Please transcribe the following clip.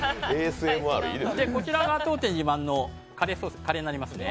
こちらが当店自慢のカレーになりますね。